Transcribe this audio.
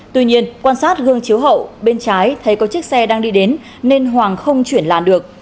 tuy nhiên quan sát gương chiếu hậu bên trái thấy có chiếc xe đang đi đến nên hoàng không chuyển làn được